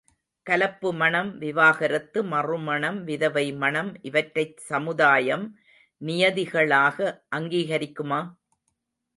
கலப்பு மணம், விவாகரத்து, மறுமணம், விதவை மணம் இவற்றைச் சமுதாயம் நியதிகளாக அங்கீகரிக்குமா?